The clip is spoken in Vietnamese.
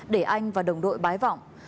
để anh và đồng đội bái vọng